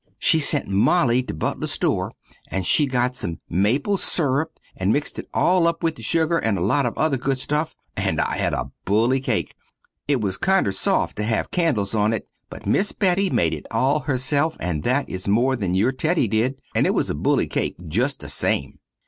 She sent Molly to Butler's store and she got some mapel seerop and mixt it all up with the sugar and a lot of other good stuff. And I had a bully cake. It was kinder soft to have candels on it, but miss Betty made it all herself and that is more than your Teddy did, and it was a bully cake just the same.